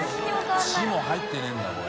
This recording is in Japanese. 「チ」も入ってないんだこれ。